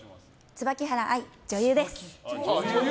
椿原愛、女優です。